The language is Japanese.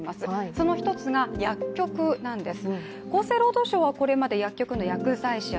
その一つが薬局なんです。